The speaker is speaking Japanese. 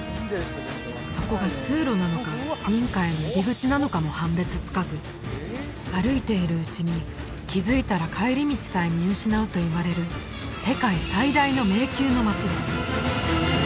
そこが通路なのか民家への入り口なのかも判別つかず歩いているうちに気づいたら帰り道さえ見失うといわれる世界最大の迷宮の街です